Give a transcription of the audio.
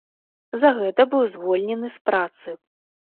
За гэта быў зволены з працы.